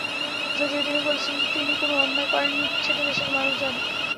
যদিও তিনি বলেছেন, তিনি কোনো অন্যায় করেননি, সেটা দেশের মানুষ জানে।